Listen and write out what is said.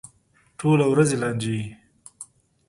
ټوله ورځ یې لانجې وي.